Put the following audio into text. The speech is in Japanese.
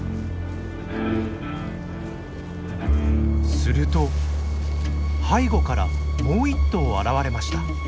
すると背後からもう１頭現れました。